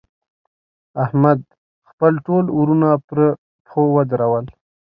احمد؛ خپل ټول وروڼه پر پښو ودرول.